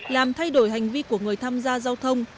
làm thay đổi hành vi của người tham gia giao thông